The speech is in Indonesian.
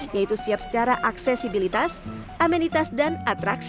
yaitu siap secara aksesibilitas amenitas dan atraksi